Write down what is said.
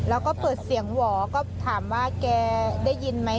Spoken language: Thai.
แล้วก็เปิดเสียงหวอก็ถามว่าแกได้ยินไหม